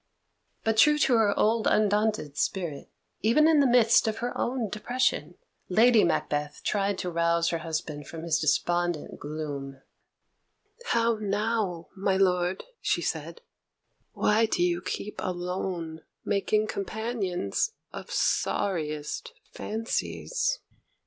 But true to her old undaunted spirit, even in the midst of her own depression, Lady Macbeth tried to rouse her husband from his despondent gloom. "How now, my lord?" she said. "Why do you keep alone, making companions of sorriest fancies?